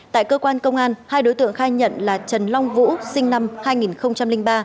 tại cơ quan công an hai đối tượng khai nhận là trần long vũ sinh năm hai nghìn ba